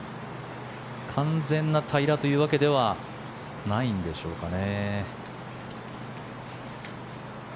完全な平らというわけではないんでしょうかね。